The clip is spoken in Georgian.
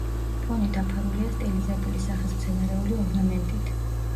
ფონი დაფარულია სტილიზებული სახის მცენარეული ორნამენტით.